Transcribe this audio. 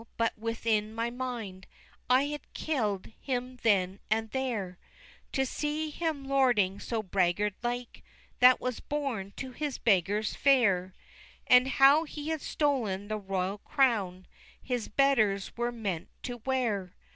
but, within my mind, I had kill'd him then and there; To see him lording so braggart like That was born to his beggar's fare, And how he had stolen the royal crown His betters were meant to wear.